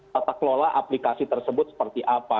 tata kelola aplikasi tersebut seperti apa